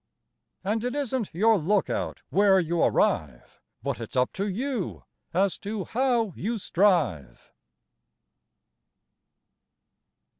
And it isn't your lookout where you arrive, But it's up to you as to how you strive.